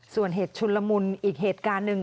ส่วนเหตุชุนละมุนอีกเหตุการณ์หนึ่ง